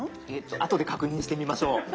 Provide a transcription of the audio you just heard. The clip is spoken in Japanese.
あとで確認してみましょう。